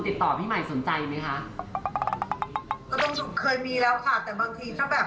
เพิ่มเคยมีแล้วค่ะแต่บางทีถ้าแบบ